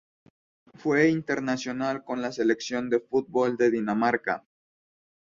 Fue internacional con la selección de fútbol de Dinamarca.